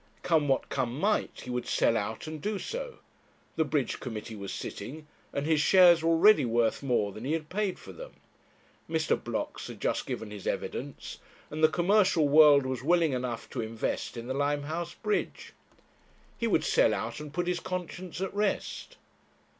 Come what come might he would sell out and do so. The bridge committee was sitting, and his shares were already worth more than he had paid for them. Mr. Blocks had just given his evidence, and the commercial world was willing enough to invest in the Limehouse bridge. He would sell out and put his conscience at rest.